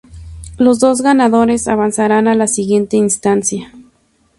Los dos ganadores avanzarán a la siguiente instancia.